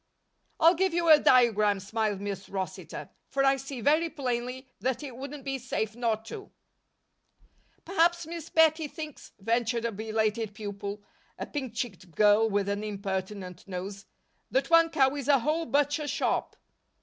"I'll give you a diagram," smiled Miss Rossitor, "for I see very plainly, that it wouldn't be safe not to." "Perhaps Miss Bettie thinks," ventured a belated pupil, a pink cheeked girl with an impertinent nose, "that one cow is a whole butcher shop."